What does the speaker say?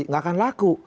tidak akan berlaku